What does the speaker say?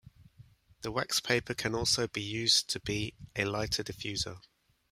The Wax paper can also be used to be a light diffuser.